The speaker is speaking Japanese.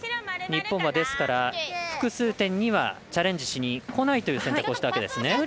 日本は複数点にはチャレンジしにこないという選択をしたわけですね。